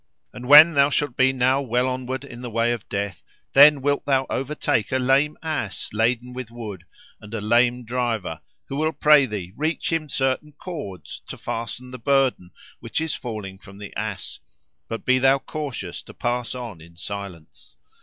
And when thou shalt be now well onward in the way of death, then wilt thou overtake a lame ass laden with wood, and a lame driver, who will pray thee reach him certain cords to fasten the burden which is falling from the ass: but be thou cautious to pass on in silence.